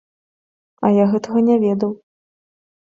А я гэтага не ведаў!